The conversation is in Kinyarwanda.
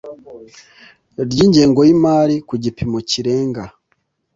ry ingengo y imari ku gipimo kirenga